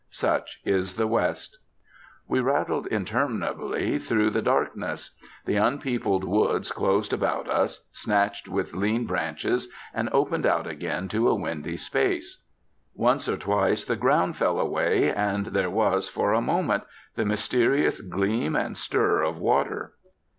Such is the West. We rattled interminably through the darkness. The unpeopled woods closed about us, snatched with lean branches, and opened out again to a windy space. Once or twice the ground fell away, and there was, for a moment, the mysterious gleam and stir of water.